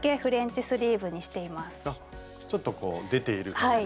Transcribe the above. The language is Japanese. ちょっとこう出ている感じの。